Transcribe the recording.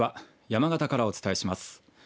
山形からお伝えします。